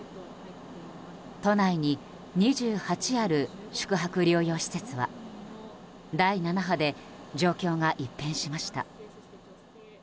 都内に２８ある宿泊療養施設は第７波で状況が一変しました。